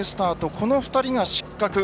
この２人が失格。